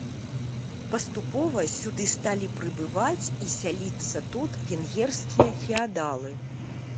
Паступова сюды сталі прыбываць і сяліцца тут венгерскія феадалы.